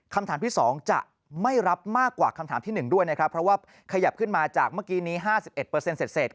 คำถามที่๒จะไม่รับมากกว่าคำถามที่๑ด้วยนะครับเพราะว่าขยับขึ้นมาจากเมื่อกี้นี้๕๑เสร็จ